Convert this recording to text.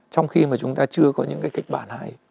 trong khi mà chúng ta chưa có những cái kịch bản hay